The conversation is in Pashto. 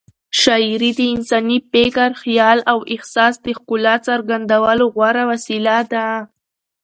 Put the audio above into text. شاعري د انساني فکر، خیال او احساس د ښکلا څرګندولو غوره وسیله ده.